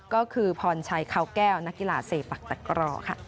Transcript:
ก็คือพรชัยเขาแก้วนักกีฬาเซปักตะกร่อค่ะ